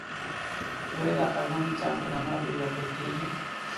دوی د عقلمن انسان په نامه پېژندل کېږي.